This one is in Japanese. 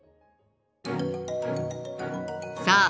さあ